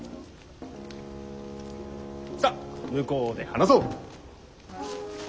さっ向こうで話そう！